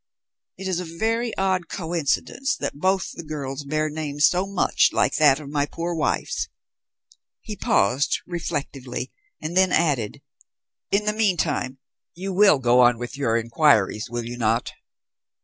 It is a very odd coincidence that both the girls bear names so much like that of my poor wife's." He paused reflectively, and then added, "In the meantime you will go on with your inquiries, will you not?"